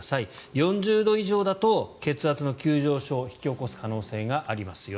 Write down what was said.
４０度以上だと血圧の急上昇を引き起こす可能性がありますよ。